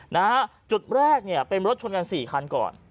นะฮะจุดแรกเนี่ยเป็นรถชนกันสี่คันก่อน